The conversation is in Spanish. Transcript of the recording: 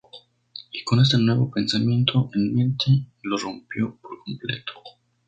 Y con este nuevo pensamiento en mente lo rompió por completo.